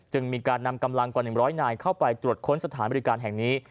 มีการนำกำลังกว่า๑๐๐นายเข้าไปตรวจค้นสถานบริการแห่งนี้